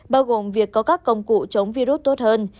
bao gồm việc có các công cụ chống virus tốt hơn